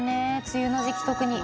梅雨の時期特に。